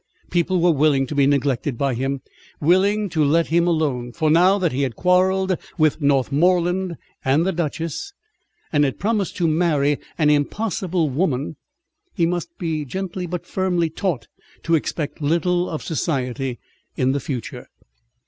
People were willing to be neglected by him, willing to let him alone, for now that he had quarrelled with Northmorland and the Duchess, and had promised to marry an impossible woman, he must be gently but firmly taught to expect little of Society in future.